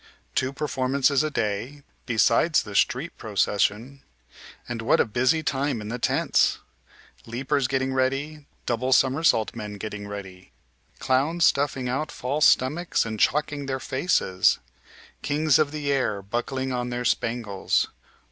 Two performances a day, besides the street procession. And what a busy time in the tents! Leapers getting ready, double somersault men getting ready, clowns stuffing out false stomachs and chalking their faces, kings of the air buckling on their spangles.